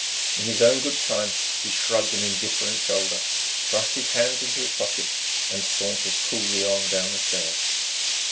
In his own good time he shrugged an indifferent shoulder, thrust his hands into his pockets, and sauntered coolly on down the stairs.